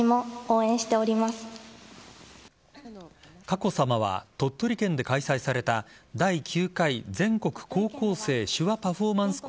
佳子さまは鳥取県で開催された第９回全国高校生手話パフォーマンス